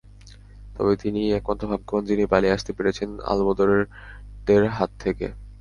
তবে তিনিই একমাত্র ভাগ্যবান, যিনি পালিয়ে আসতে পেরেছেন আলবদরদের হাত থেকে।